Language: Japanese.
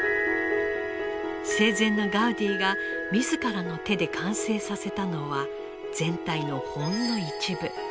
生前のガウディが自らの手で完成させたのは全体のほんの一部。